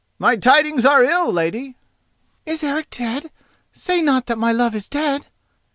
"My tidings are ill, lady." "Is Eric dead? Say not that my love is dead!"